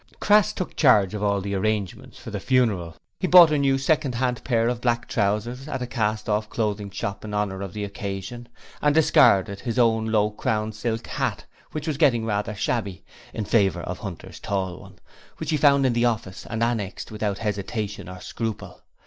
Crass took charge of all the arrangements for the funeral. He bought a new second hand pair of black trousers at a cast off clothing shop in honour of the occasion, and discarded his own low crowned silk hat which was getting rather shabby in favour of Hunter's tall one, which he found in the office and annexed without hesitation or scruple.